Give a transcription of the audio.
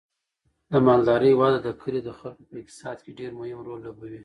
د مالدارۍ وده د کلي د خلکو په اقتصاد کې ډیر مهم رول لوبوي.